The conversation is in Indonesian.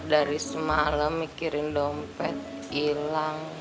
dari semalam mikirin dompet hilang